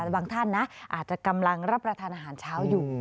แต่บางท่านนะอาจจะกำลังรับประทานอาหารเช้าอยู่